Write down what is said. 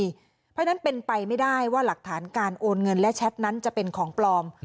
เพราะฉะนั้นเป็นไปไม่ได้ว่าหลักฐานการโอนเงินและแชทนั้นจะเป็นของปลอม